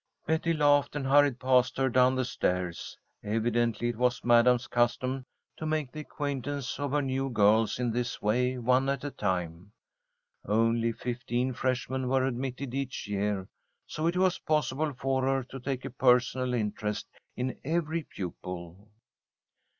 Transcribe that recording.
Betty laughed and hurried past her down the stairs. Evidently it was Madam's custom to make the acquaintance of her new girls in this way, one at a time. Only fifteen freshmen were admitted each year, so it was possible for her to take a personal interest in every pupil.